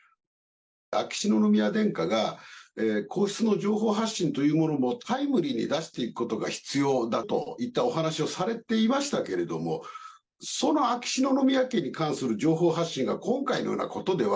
秋篠宮殿下が、皇室の情報発信というものは、タイムリーに出していくことが必要だと言ったお話をされていましたけれども、その秋篠宮家に関する情報発信が今回のようなことでは、